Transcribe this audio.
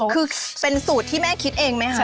คือเป็นสูตรที่แม่คิดเองไหมคะ